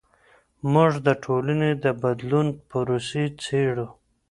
موږ د ټولنې د بدلون پروسې څیړو.